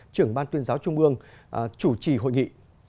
trưởng ban tuyên giáo trung ương chủ trì hội nghị